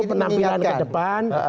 penampilan ke depan